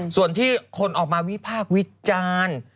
ส่วนที่คนออกมาวิพากษ์วิจารณ์